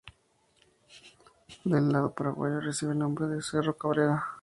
Del lado paraguayo recibe el nombre de Cerro Cabrera.